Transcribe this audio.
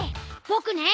ぼくね